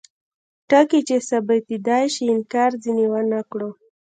ټکي چې ثابتیدای شي انکار ځینې ونکړو.